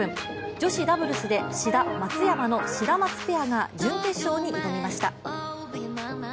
女子ダブルスで志田・松山のシダマツペアが準決勝に挑みました。